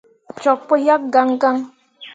Cok pu yak gãn gãn.